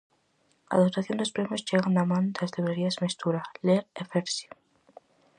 A dotación dos premios chegan da man das librerías Mestura, Ler e Fersi.